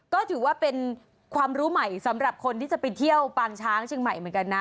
ก็ถือว่าเป็นความรู้ใหม่สำหรับคนที่จะไปเที่ยวปางช้างเชียงใหม่เหมือนกันนะ